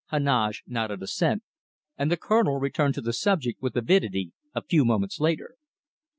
Heneage nodded assent, and the Colonel returned to the subject with avidity a few moments later.